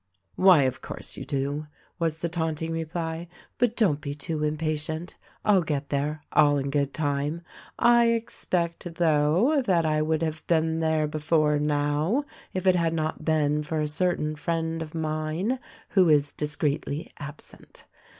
"Why of course you do," was the taunting reply; "but, don't be too impatient. I'll get there, all in good time. I expect, though, that I would have been there before now if it had not been for a certain friend of mine who is discreetly absent.